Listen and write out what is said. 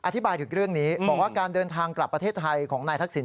อธิบายถึงเรื่องนี้บอกว่าการเดินทางกลับประเทศไทยของนายทักษิณ